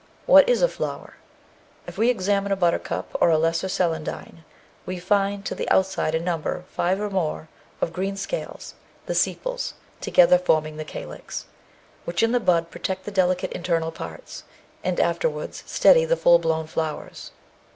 What is a flower? If we examine a buttercup or a lesser celandine, we find to the outside a number five or more of green scales, the sepals (together forming the calyx), which in the bud protect the delicate internal parts, and afterwards steady the full blown flowers.